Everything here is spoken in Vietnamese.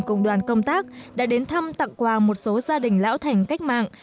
cùng đoàn công tác đã đến thăm tặng quà một số gia đình lão thành cách mạng